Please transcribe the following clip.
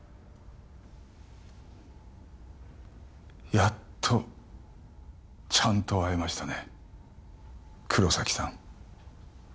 やっとちゃんと会えましたね